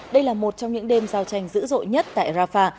đây là một trong những đêm giao tranh dữ dội nhất tại rafah